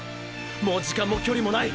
もう時間も距離もない！